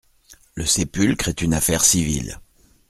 Le sépulcre est une affaire civile.